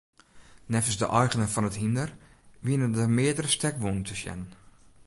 Neffens de eigener fan it hynder wiene der meardere stekwûnen te sjen.